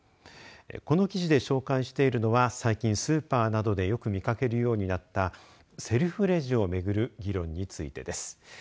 この記事で紹介しているのは最近、スーパーなどでよく見かけるようになったセルフレジを巡る議論についてです。